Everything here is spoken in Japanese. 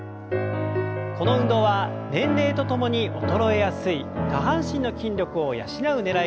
この運動は年齢とともに衰えやすい下半身の筋力を養うねらいがあります。